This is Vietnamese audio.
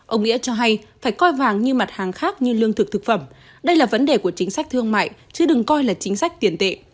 ông nghĩa cho hay phải coi vàng như mặt hàng khác như lương thực thực phẩm đây là vấn đề của chính sách thương mại chứ đừng coi là chính sách tiền tệ